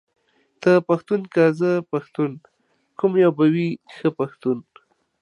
ته پښتون که زه پښتون ، کوم يو به وي ښه پښتون ،